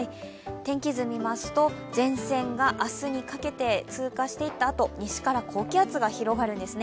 天気図を見ますと、前線が明日にかけて通過していったあと、西から高気圧が広がるんですね。